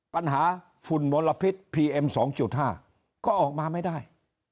ปัญหาฝุ่นมลพิษพีเอ็มสองจุดห้าก็ออกมาไม่ได้